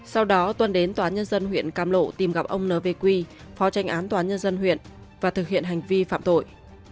sau đó tuân đến tòa nhân dân huyện cam lộ tìm gặp ông nv quy phó tranh án tòa án nhân dân huyện và thực hiện hành vi phạm tội